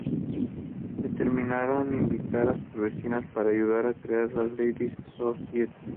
Determinaron invitar a sus vecinas para ayudar a crear la "Ladies' Society".